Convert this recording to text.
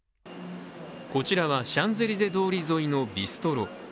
こちらは、シャンゼリゼ通り沿いのビストロ。